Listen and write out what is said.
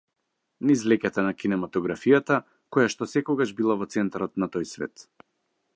Низ леќата на кинематографијата, којашто секогаш била во центарот на тој свет.